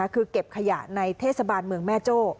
คือเก็บขยะในเทศบาลเมืองแม่โจ้